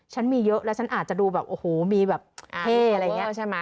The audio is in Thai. มีเยอะแล้วฉันอาจจะดูแบบโอ้โหมีแบบเท่อะไรอย่างนี้ใช่ไหม